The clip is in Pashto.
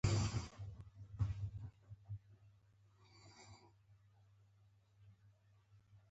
زده کړه د غربت په کمولو کې مرسته کوي.